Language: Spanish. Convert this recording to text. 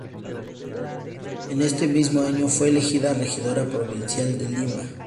En este mismo año fue elegida regidora provincial de Lima.